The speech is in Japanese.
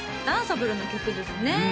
ダンサブルな曲ですね